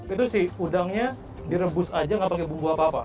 itu sih udangnya direbus aja nggak pakai bumbu apa apa